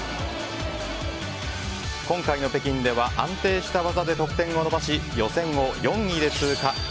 今回の北京では安定した技で得点を伸ばし予選を４位で通過。